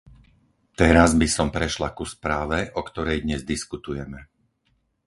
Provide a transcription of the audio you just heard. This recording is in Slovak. Teraz by som prešla ku správe, o ktorej dnes diskutujeme.